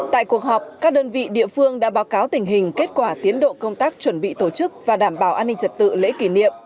tại cuộc họp các đơn vị địa phương đã báo cáo tình hình kết quả tiến độ công tác chuẩn bị tổ chức và đảm bảo an ninh trật tự lễ kỷ niệm